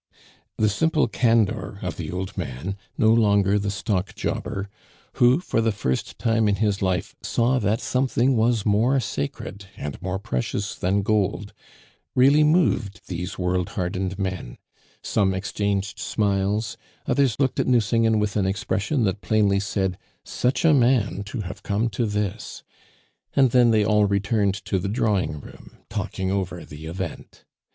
The simple candor of the old man, no longer the stock jobber, who, for the first time in his life, saw that something was more sacred and more precious than gold, really moved these world hardened men; some exchanged smiles; other looked at Nucingen with an expression that plainly said, "Such a man to have come to this!" And then they all returned to the drawing room, talking over the event.